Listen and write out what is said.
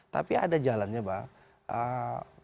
tapi ada jalannya bang